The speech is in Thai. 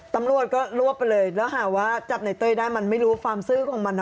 ตำรวจก็รวบไปเลยแล้วหาว่าจับในเต้ยได้มันไม่รู้ความซื่อของมันนะ